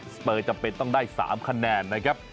สเปอร์จำเป็นต้องได้๓คะแนนนะครับ